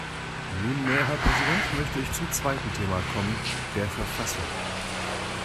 Nunmehr, Herr Präsident, möchte ich zum zweiten Thema kommen, der Verfassung.